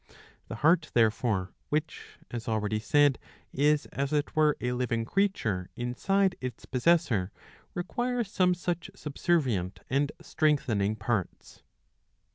The heart therefore, which, as already said, is as it were a living creature inside its possessor, requires some such subservient and strengthening parts.